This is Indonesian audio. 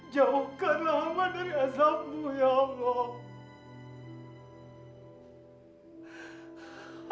jauhkanlah hamba dari aslammu ya allah